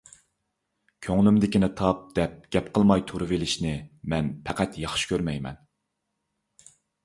كۆڭلۈمدىكىنى تاپ، دەپ گەپ قىلماي تۇرۇۋېلىشنى مەن پەقەت ياخشى كۆرمەيمەن.